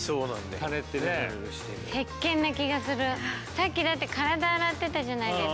さっきだって体洗ってたじゃないですか。